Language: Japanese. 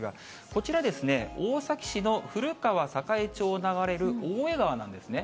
こちらですね、大崎市の古川栄町を流れる大江川なんですね。